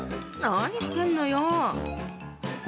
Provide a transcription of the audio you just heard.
何してんのよ？